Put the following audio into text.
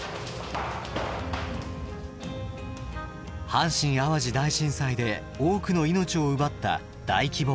阪神・淡路大震災で多くの命を奪った大規模火災。